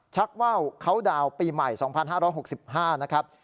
ว่าวเขาดาวน์ปีใหม่๒๕๖๕นะครับ